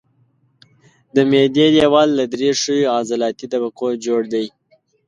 د معدې دېوال له درې ښویو عضلاتي طبقو جوړ دی.